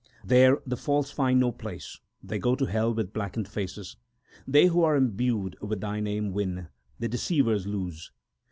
There the false find no place: they go to hell with blackened faces. They who are imbued with Thy name win ; the de ceivers lose.